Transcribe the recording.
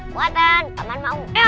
kuatan aman mau